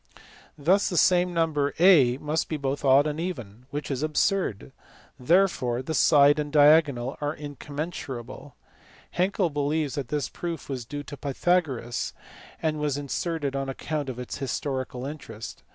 Thus the same number a must be both odd and even, which is absurd; therefore the side and diagonal are incommensurable. Hankel 62 THE FIRST ALEXANDRIAN SCHOOL. believes that this proof was due to Pythagoras, and was inserted on account of its historical interest.